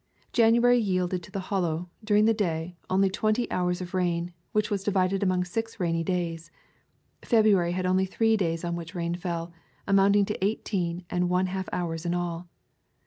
January yielded to the Hollow, during the day, only twenty hours of rain, which was divided among six rainy days. February had only three days on which rain fell, amounting to eighteen and one half hours in all.